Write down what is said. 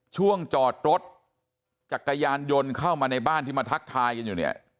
ช่วงจอดรถจักรยานยนต์เข้ามาในบ้านที่มาทักทายกันอยู่เนี่ย